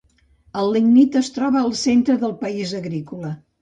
El lignit es troba al centre del país agrícola.